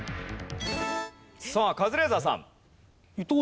さあカズレーザーさん。